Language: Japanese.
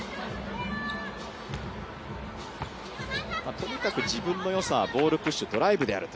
とにかく自分のよさはボールプッシュドライブであると。